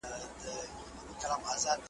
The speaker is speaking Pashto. سوله د خلکو خوشالي زیاتوي.